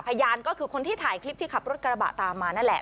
พยานก็คือคนที่ถ่ายคลิปที่ขับรถกระบะตามมานั่นแหละ